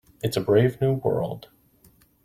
It's a brave new world.